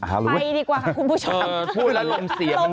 เออไปดีกว่าค่ะคุณผู้ชมเออพูดแล้วลมเสียม